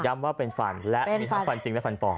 ย้ำว่าเป็นฟันและมีฟันจริงและฟันปลอม